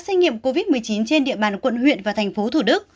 xét nghiệm covid một mươi chín trên địa bàn quận huyện và thành phố thủ đức